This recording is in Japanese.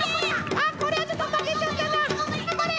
あっこれはちょっとまけちゃったな。